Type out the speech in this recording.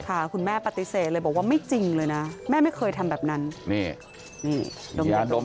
คุณแม่ปฏิเสธเลยบอกว่าไม่จริงเลยนะแม่ไม่เคยทำแบบนั้นนี่นี่ดมยาดม